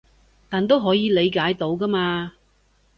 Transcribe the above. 但都可以理解到㗎嘛